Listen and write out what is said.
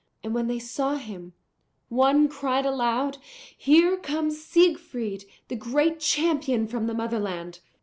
And when they saw him, one cried aloud, 'Here comes Siegfried, the great champion from the Motherland!'